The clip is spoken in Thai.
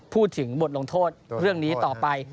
พูดถึงบทลงโทษเรื่องนี้ต่อไป